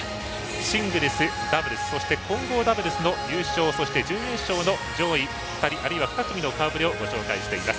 シングルス、ダブルスそして、混合ダブルスの優勝準優勝の上位２人、あるいは２組の顔ぶれご紹介しています。